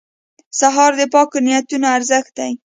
سهار د پاکو نیتونو ارزښت دی.